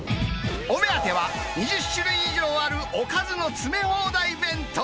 お目当ては、２０種類以上あるおかずの詰め放題弁当。